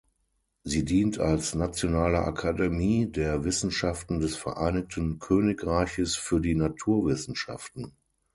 Sie dient als nationale Akademie der Wissenschaften des Vereinigten Königreiches für die Naturwissenschaften.